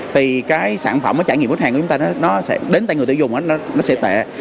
thì cái sản phẩm trải nghiệm khách hàng của chúng ta nó sẽ đến tại người tự dùng nó sẽ tệ